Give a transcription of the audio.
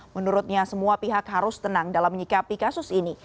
menurutnya semua pihak harus tenang dalam menyikapi kasus ini